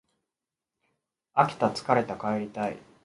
飽きた疲れた帰りたい